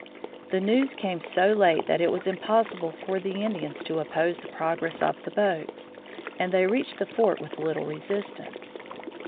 The news came so late that it was impossible for the Indians to oppose the progress of the boats, and they reached the fort with little resistance.